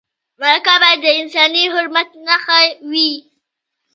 مرکه باید د انساني حرمت نښه وي.